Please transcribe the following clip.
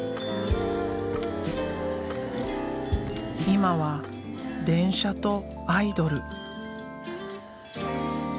今は電車とアイドル。